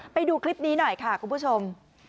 ไปดูคลิปนี้หน่อยค่ะคุณผู้ชม